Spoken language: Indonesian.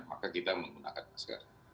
maka kita menggunakan masker